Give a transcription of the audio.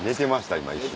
今一瞬。